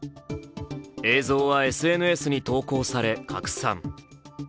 映像はＳＮＳに投稿され拡散。